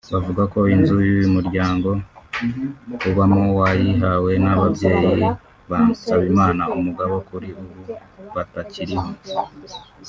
bavuga ko inzu uyu muryango ubamo wayihawe n’ababyeyi ba Nsabimana(umugabo) kuri ubu batakiriho